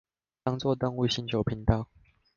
當作動物星球頻道